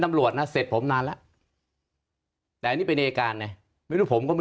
นำรวจนะเสร็จผมนานละแต่นี่เป็นเอการเนี่ยไม่รู้ผมก็ไม่